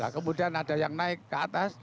kemudian ada yang naik ke atas